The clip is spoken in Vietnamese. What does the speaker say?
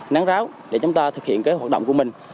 nắng ráo để chúng ta thực hiện cái hoạt động của mình